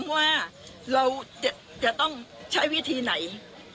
ว่าเราจะต้องใช้วิธีไหน